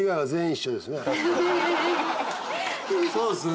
そうっすね。